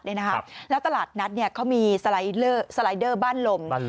แล้วตลาดนัดเขามีสไลเดอร์บ้านลม